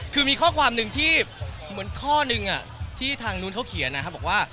คือมีข้อความหนึ่งที่เหมือนข้อหนึ่งที่ทางนู้นเค้าเขียนนะฮะ